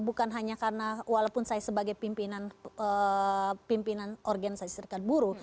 bukan hanya karena walaupun saya sebagai pimpinan organisasi serikat buruh